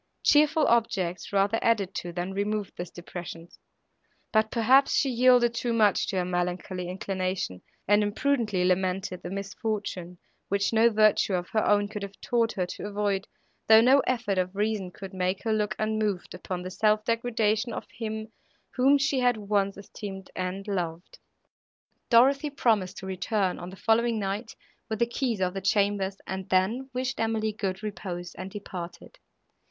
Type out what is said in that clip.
Cheerful objects rather added to, than removed this depression; but, perhaps, she yielded too much to her melancholy inclination, and imprudently lamented the misfortune, which no virtue of her own could have taught her to avoid, though no effort of reason could make her look unmoved upon the self degradation of him, whom she had once esteemed and loved. Dorothée promised to return, on the following night, with the keys of the chambers, and then wished Emily good repose, and departed.